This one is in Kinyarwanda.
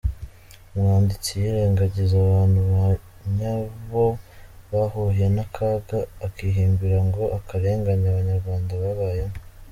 Umwanditsi yirengagiza abantu ba nyabo bahuye n’akaga, akihimbira ngo “akarengane abanyarwanda babayemo”.